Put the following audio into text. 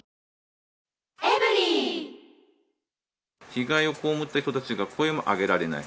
被害を被った人たちが声も上げられない。